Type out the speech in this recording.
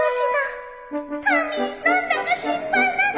タミー何だか心配なの！